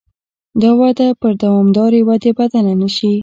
دا وده پر دوامدارې ودې بدله نه شي.